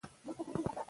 بل هغه سړی دی چې راځي.